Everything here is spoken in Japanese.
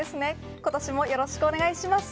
今年もよろしくお願いします。